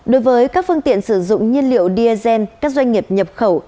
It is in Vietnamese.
đối với các phương tiện sử dụng nhiên liệu diesel các doanh nghiệp nhập khẩu